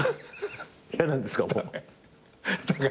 嫌なんですか？